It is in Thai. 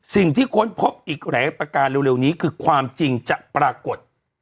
ค้นพบอีกหลายประการเร็วนี้คือความจริงจะปรากฏ